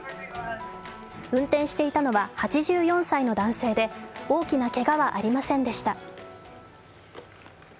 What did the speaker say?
運転していたのは８４歳の男性で、大きなけがはありませんでした。